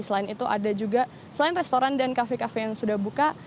selain itu ada juga selain restoran dan kafe kafe yang sudah buka